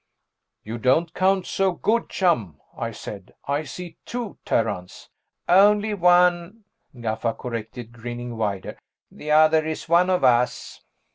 "You don't count so good, chum," I said. "I see two Terrans." "Only one," Gaffa corrected, grinning wider. "The other is one of us."